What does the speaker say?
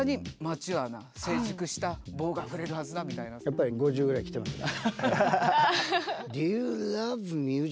やっぱり５０ぐらいきてますね。